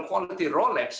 kualitas tengah rolex